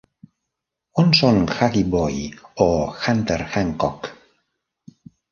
On són Huggy Boy o Hunter Hancock?